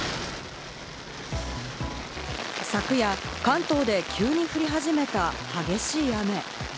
昨夜、関東で急に降り始めた激しい雨。